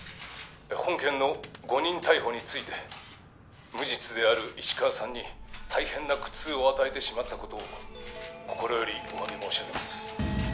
本件の誤認逮捕について無実である石川さんに大変な苦痛を与えてしまったこと心よりおわび申し上げます